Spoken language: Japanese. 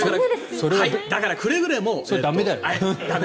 だから、くれぐれも駄目。